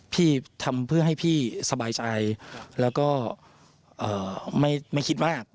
พี่ทำเพื่อให้พี่สบายใจแล้วก็ไม่คิดมาก